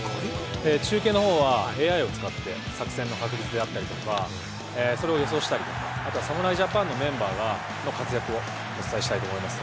中継のほうはＡＩを使って作戦確率であったりとか、それを予想したり、侍ジャパンのメンバーの活躍をお伝えしたいと思います。